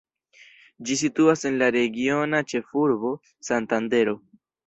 Ĝi situas en la regiona ĉefurbo, Santandero.